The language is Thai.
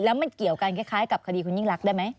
แล้วมันเกี่ยวกันคล้ายกับคดีคุณยิ่งรักได้ไหม